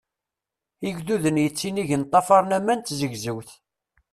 Igduden yettinigen ṭṭafaṛen aman d tzegzewt.